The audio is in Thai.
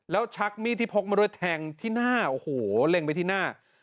แล้วชักมีดที่พกมาด้วยแทงที่หน้าโอ้โหเล็งไปที่หน้า